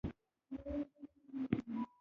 د مړو ارواوو او مذهبي مراسمو په اړه نښانې نشته.